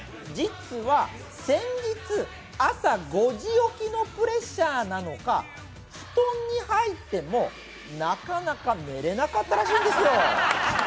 実は先日、朝５時起きのプレッシャーなのか布団に入ってもなかなか寝れなかったらしいんですよ。